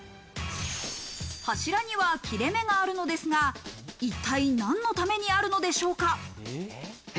柱には切れ目があるのですが、一体、なんのためにあるのでしょうか。